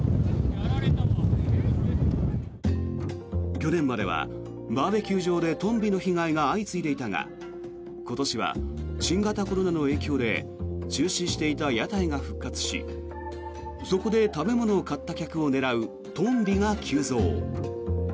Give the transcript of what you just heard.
去年まではバーベキュー場でトンビの被害が相次いでいたが今年は新型コロナの影響で中止していた屋台が復活しそこで食べ物を買った客を狙うトンビが急増。